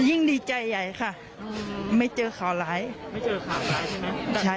ยิ่งดีใจใหญ่ค่ะอือมไม่เจอขาวหลายไม่เจอขาวหลายใช่ไหมใช่